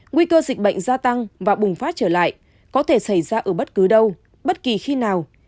nguy cơ dịch bệnh gia tăng và bùng phát trở lại có thể xảy ra ở bất cứ đâu bất kỳ khi nào